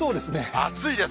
暑いです。